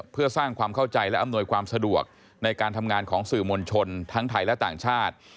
เพื่อสร้างความเข้าใจและอำนวยความสะดวกในการทำงานของสื่อมวลชนทั้งไทยและต่างชาติ